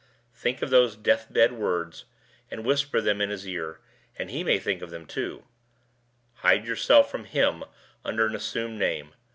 Think of those death bed words, and whisper them in his ear, that he may think of them, too: 'Hide yourself from him under an assumed name.